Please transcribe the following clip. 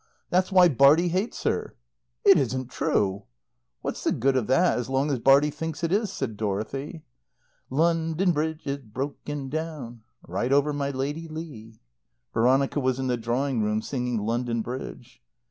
That's why Bartie hates her." "It isn't true." "What's the good of that as long as Bartie thinks it is?" said Dorothy. "London Bridge is broken down (Ride over my Lady Leigh!)" Veronica was in the drawing room, singing "London Bridge."